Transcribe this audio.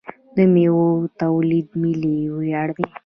د میوو تولید ملي ویاړ دی.